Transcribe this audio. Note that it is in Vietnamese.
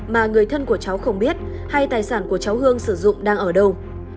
mà người thân của cháu không biết hay tài sản của cháu hương sử dụng đang ở đâu